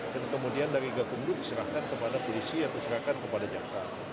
dan kemudian dari gakundu diserahkan kepada polisi atau diserahkan kepada japsa